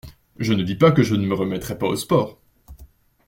Je ne dis pas que je ne me remettrai pas au sport.